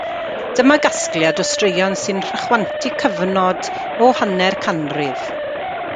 Dyma gasgliad o straeon sy'n rhychwantu cyfnod o hanner canrif.